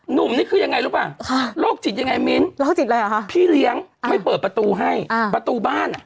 หนุ่มนี่คือยังไงรู้ปะโลกจิตยังไงมิ้นพี่เลี้ยงให้เปิดประตูให้ประตูบ้าน